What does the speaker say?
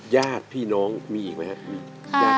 ญาติพี่น้องมีอีกไหมครับ